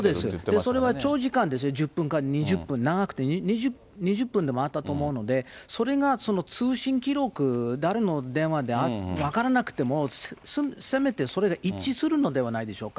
それは長時間ですね、１０分か２０分、長くて２０分でもあったと思うので、それが通信記録、誰の電話か分からなくても、せめてそれで一致するのではないでしょうか。